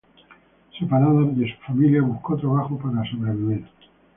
Separada de su familia buscó trabajo para sobrevivir.